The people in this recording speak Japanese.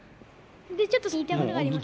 ちょっと言いたいことがあります。